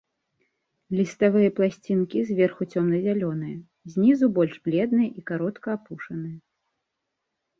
Ліставыя пласцінкі зверху цёмна-зялёныя, знізу больш бледныя і каротка апушаныя.